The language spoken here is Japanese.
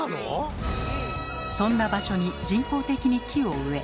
そんな場所に人工的に木を植え